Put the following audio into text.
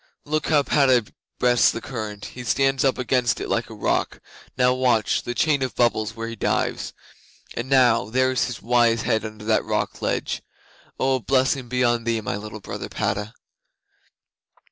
Look how Padda breasts the current! He stands up against it like a rock; now watch the chain of bubbles where he dives; and now there is his wise head under that rock ledge! Oh, a blessing be on thee, my little brother Padda!"